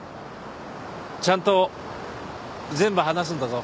ちゃんと全部話すんだぞ。